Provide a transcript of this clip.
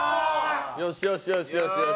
よしよしよしよし！